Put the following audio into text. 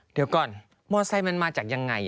เดี๋ยวก่อนมอเซมันมาจากยังไง